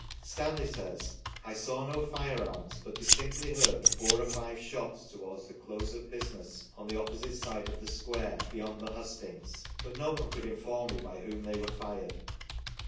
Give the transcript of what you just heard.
Stanley says : "I saw no firearms, but distinctly heard four or five shots towards the close of the business on the opposite side of the square, beyond the hustings, but no one could inform me by whom they were fired